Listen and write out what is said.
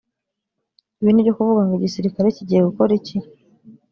Ibindi byo kuvuga ngo igisirikare kigiye gukora iki